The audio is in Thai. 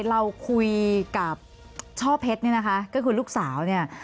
เราคุยกับช่อเพชรเนี่ยนะคะก็คือลูกสาวเนี่ย